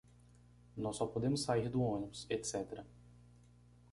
Nós só podemos sair do ônibus, etc.